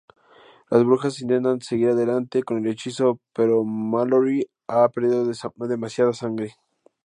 Las brujas intentan seguir adelante con el hechizo, pero Mallory ha perdido demasiada sangre.